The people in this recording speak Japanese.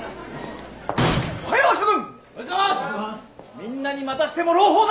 みんなにまたしても朗報だ！